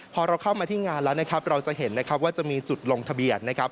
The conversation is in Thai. พอเราเข้ามาที่งานแล้วเราจะเห็นว่าจะมีจุดลงทะเบียน